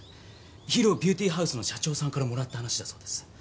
ＨＩＲＯビューティーハウスの社長さんからもらった話だそうです。